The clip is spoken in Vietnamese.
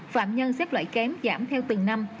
phạm nhân xếp loại kém giảm theo từng năm